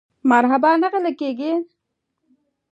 ترنک سیند په زابل کې دی؟